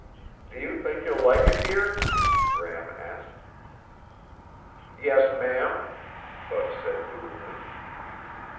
"Do you think you'll like it here?" Gram asked. "Yes, ma'am," Bud said dutifully.